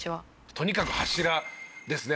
とにかく柱ですね。